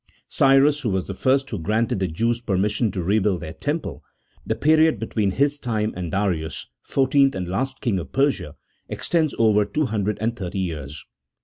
Cyrus was the first who granted the Jews permission to rebuild their Temple: the period between his time and Darius, fourteenth and last king of Persia, extends over 230 years.